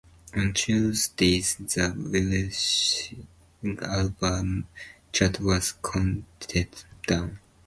On Tuesdays, the Welsh album chart was counted down.